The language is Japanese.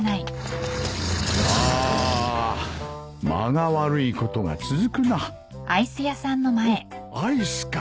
間が悪いことが続くなおっアイスか。